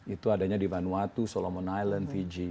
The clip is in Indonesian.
itu adanya di vanuatu solomon island fiji